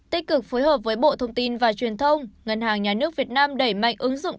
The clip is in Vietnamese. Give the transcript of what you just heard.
tích cực phối hợp với bộ thông tin và truyền thông ngân hàng nhà nước việt nam đẩy mạnh ứng dụng